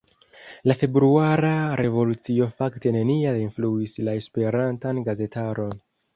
La februara revolucio fakte neniel influis la Esperantan gazetaron.